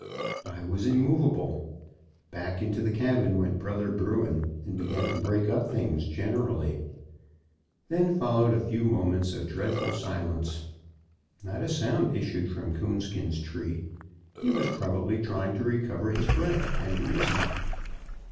I was immovable. Back into the cabin went brother Bruin, and began to break up things, generally. Then followed a few moments of dreadful silence. Not a sound issued from Coonskin's tree; he was probably trying to recover his breath and reason.